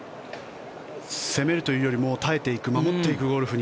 攻めるというよりも耐えていく、守っていくというゴルフに。